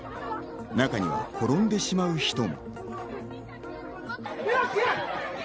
中には転んでしまう人も。